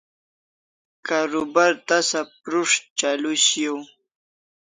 Karubar tasa prus't chalu shiau